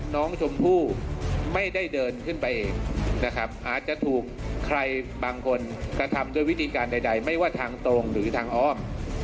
น้องชมพู่ไม่ได้เดินขึ้นไปเองนะครับอาจจะถูกใครบางคนกระทำด้วยวิธีการใดไม่ว่าทางตรงหรือทางอ้อม